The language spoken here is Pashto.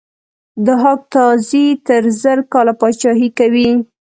ضحاک تازي تر زر کاله پاچهي کوي.